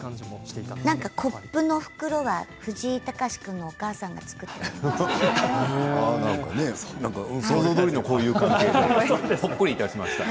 コップの袋は藤井隆君のお母さんが作ってくれました。